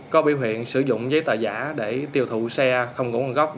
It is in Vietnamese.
có biểu hiện sử dụng giấy tài giả để tiêu thụ xe không gỗ ngân gốc